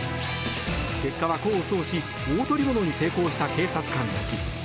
結果は功を奏し大捕物に成功した警察官たち。